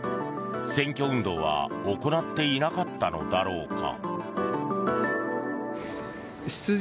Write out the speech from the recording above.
選挙運動は行っていなかったのだろうか。